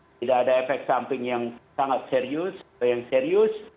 tidak ada efek samping yang sangat serius atau yang serius